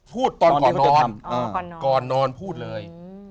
พูดตอนก่อนนอนพูดเลย